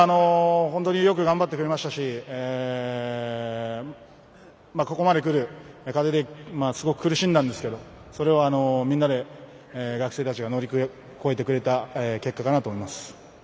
本当によく頑張ってくれましたしここまでくる過程ですごく苦しんだんですけどそれをみんなで学生たちが乗り越えてくれた結果かなと思います。